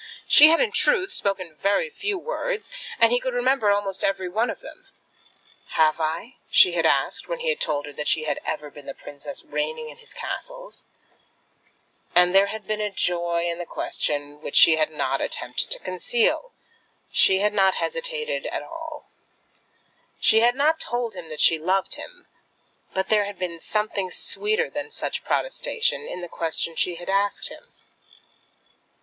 She had in truth spoken very few words, and he could remember almost every one of them. "Have I?" she had asked, when he told her that she had ever been the princess reigning in his castles. And there had been a joy in the question which she had not attempted to conceal. She had hesitated not at all. She had not told him that she loved him. But there had been something sweeter than such protestation in the question she had asked him.